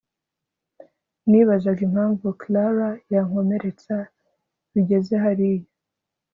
nibazaga impamvu Clara yankomeretsa bigeze hariya